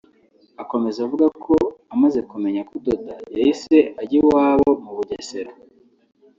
Akomeza avuga ko amaze kumenya kudoda yahise ajya iwabo mu Bugesera